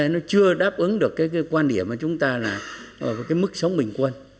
nó chưa đáp ứng được cái quan điểm mà chúng ta là cái mức sống bình quân